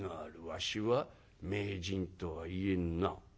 わしは名人とは言えんな」。